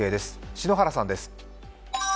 篠原さんです。